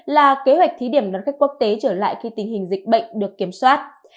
là kế hoạch thí điểm đón khách quốc tế trở lại khi tình hình dịch bệnh được kiểm soát